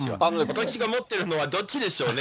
私が持ってるのはどっちでしょうね。